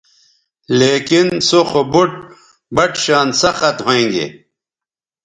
لیکن سے خو بُٹ بَٹ شان سخت ھوینگے